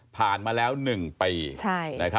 ผ่านมาแล้ว๑ปี